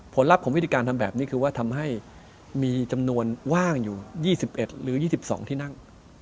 ลัพธ์ของวิธีการทำแบบนี้คือว่าทำให้มีจำนวนว่างอยู่๒๑หรือ๒๒ที่นั่ง